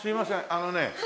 あのね